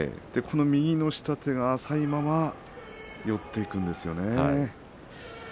右の下手が浅いまま寄っていくんですよね。